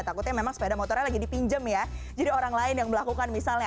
takutnya memang sepeda motornya lagi dipinjam ya jadi orang lain yang melakukan misalnya